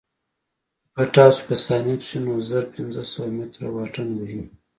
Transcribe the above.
چې پټاو سي په ثانيه کښې نو زره پنځه سوه مټره واټن وهي.